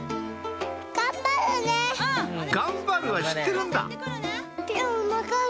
「がんばる」は知ってるんだ！